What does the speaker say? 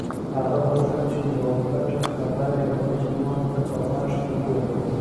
هغه غوښتل چې یوه پټه خبره یوازې ما ته په غوږ کې ووایي.